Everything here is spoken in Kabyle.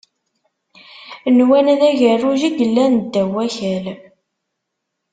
Nwan d agerruj i yellan ddaw wakal.